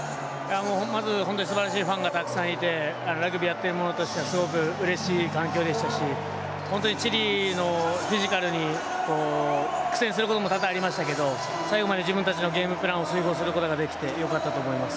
まず本当にすばらしいファンがたくさんいてラグビーやってる者としてはすごくうれしい環境でしたし本当にチリのフィジカルに苦戦することも多々ありましたが最後まで自分たちのゲームプランを遂行することができてよかったと思います。